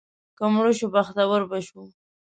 که مړه شو، بختور به شو.